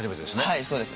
はいそうです。